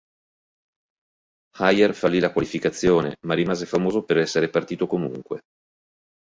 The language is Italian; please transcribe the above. Heyer fallì la qualificazione, ma rimase famoso per essere partito comunque.